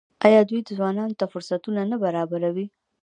آیا دوی ځوانانو ته فرصتونه نه برابروي؟